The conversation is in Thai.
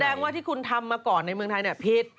แสดงว่าที่คุณทำมาก่อนในเมืองไทยผิด